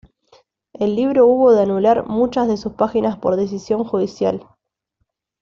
El libro hubo de anular muchas de sus páginas por decisión judicial.